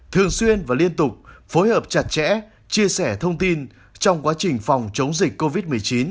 thường xuyên và liên tục phối hợp chặt chẽ chia sẻ thông tin trong quá trình phòng chống dịch covid một mươi chín